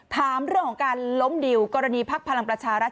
ถามเรื่องของการล้มดิวกรณีพักพลังประชารัฐ